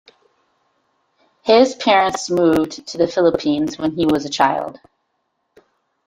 His parents moved to the Philippines when he was a child.